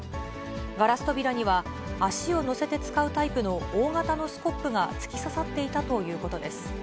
ガラス扉には、足を乗せて使うタイプの大型のスコップが突き刺さっていたということです。